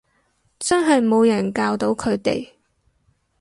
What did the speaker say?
真係冇人教到佢哋